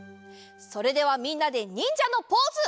それではみんなでにんじゃのポーズ！